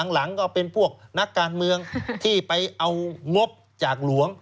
หลังก็เป็นพวกนักการเมืองที่ไปเอางบจากหลวง